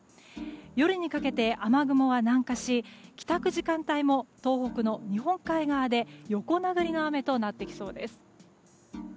夜にかけて雨雲は南下し帰宅時間帯も東北の日本海側で横殴りの雨となってきそうです。